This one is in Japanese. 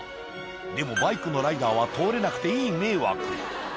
でも、バイクのライダーは通れなくて、いい迷惑。